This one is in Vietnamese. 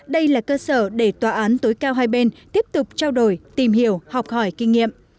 đây là cơ sở để tòa án tối cao hai bên tiếp tục trao đổi tìm hiểu học hỏi kinh nghiệm